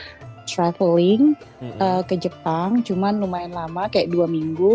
saya lagi aja traveling ke jepang cuman lumayan lama kayak dua minggu